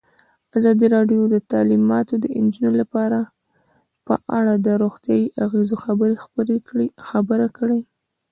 ازادي راډیو د تعلیمات د نجونو لپاره په اړه د روغتیایي اغېزو خبره کړې.